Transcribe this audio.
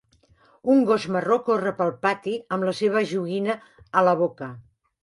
Un gos marró corre pel pati amb la seva joguina a la boca.